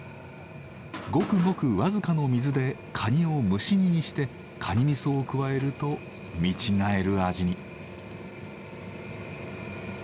ごくごく僅かの水でカニを蒸し煮にしてカニみそを加えると見違える味に。